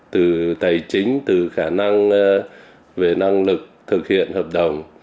từ tài chính từ khả năng về năng lực thực hiện hợp đồng